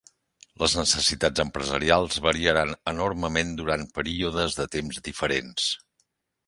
Les necessitats empresarials variaran enormement durant períodes de temps diferents.